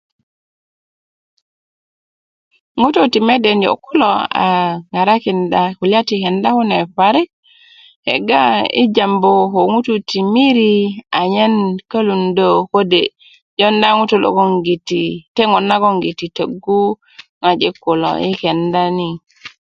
ŋutuu ti mede niyo kulo aa ŋarakinda kulya ti kends kune parik kegga yi jambu ko ŋutuu ti miri anyen kölundö ́ kode jowunda ŋutuu logoŋgiti kode' teŋön nagogiti töggu kode' ŋarakinda ŋojik kulo yi kenda ni